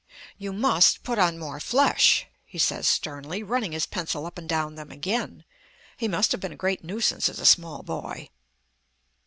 "You must put on more flesh," he says sternly, running his pencil up and down them again. (He must have been a great nuisance as a small boy.)